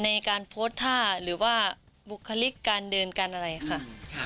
ในการโพสต์ท่าหรือว่าบุคลิกการเดินการอะไรค่ะ